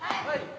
はい！